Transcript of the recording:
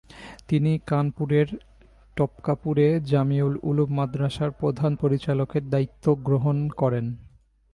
তিনি কানপুরের টপকাপুরে জামেউল উলূম মাদ্রাসার প্রধান পরিচালকের দ্বায়িত্ব গ্রহণ করেন।